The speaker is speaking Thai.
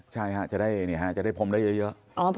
ใช่ฮะจะได้พรมได้เยอะ